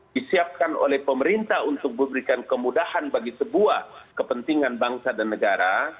disiapkan oleh pemerintah untuk memberikan kemudahan bagi sebuah kepentingan bangsa dan negara